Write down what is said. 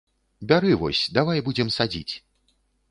Бяры вось, давай будзем садзіць!